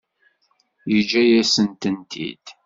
Yeǧǧa-yasen-tent-id?